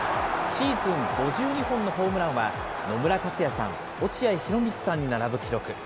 シーズン５２本のホームランは、野村克也さん、落合博満さんに並ぶ記録。